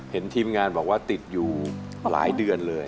ทีมงานบอกว่าติดอยู่หลายเดือนเลย